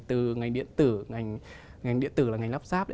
từ ngành điện tử ngành điện tử là ngành lắp sáp